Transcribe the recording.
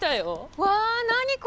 うわ何ここ！？